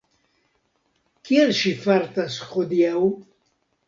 Kiel ŝi fartas hodiaŭ?